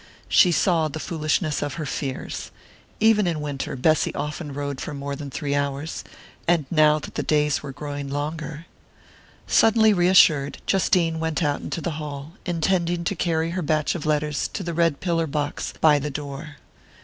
She saw the foolishness of her fears. Even in winter, Bessy often rode for more than three hours; and now that the days were growing longer Suddenly reassured, Justine went out into the hall, intending to carry her batch of letters to the red pillar box by the door.